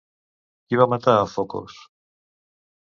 Qui va matar a Focos?